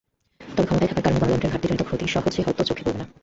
তবে ক্ষমতায় থাকার কারণে গণতন্ত্রের ঘাটতিজনিত ক্ষতি সহজে হয়তো চোখে পড়বে না।